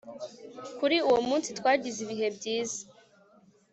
Kuri uwo munsi twagize ibihe byiza